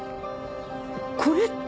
これって。